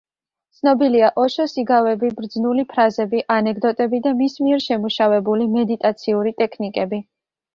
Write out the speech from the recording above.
ცნობილია ოშოს იგავები, ბრძნული ფრაზები, ანეკდოტები და მის მიერ შემუშავებული მედიტაციური ტექნიკები.